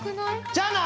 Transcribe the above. じゃあな！